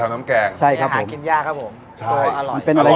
ทำน้ำแกง